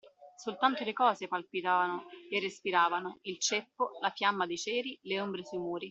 Soltanto le cose palpitavano e respiravano: il ceppo, la fiamma dei ceri, le ombre sui muri.